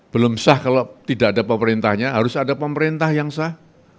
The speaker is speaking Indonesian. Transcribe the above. belum sah kalau tidak ada pemerintahnya harus ada pemerintah yang sah